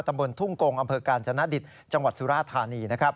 ตำบลทุ่งกงอำเภอกาญจนดิตจังหวัดสุราธานี